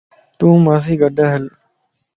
تون مان سين گڏھل